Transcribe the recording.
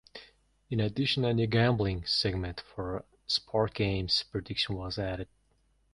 In addition a new gambling segment for sport games prediction was added.